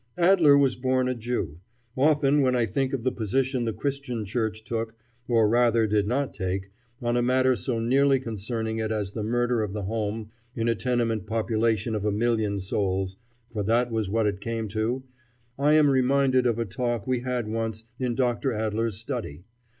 Adler was born a Jew. Often when I think of the position the Christian Church took, or rather did not take, on a matter so nearly concerning it as the murder of the home in a tenement population of a million souls, for that was what it came to, I am reminded of a talk we had once in Dr. Adler's study.